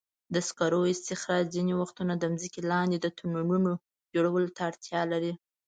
د سکرو استخراج ځینې وختونه د ځمکې لاندې د تونلونو جوړولو ته اړتیا لري.